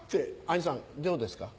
兄さんどうですか？